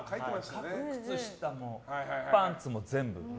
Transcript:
靴下も、パンツも全部。